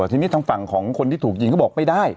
ทีนี้ทางฝั่งของคนที่ถูกยิงเขาบอกไม่ได้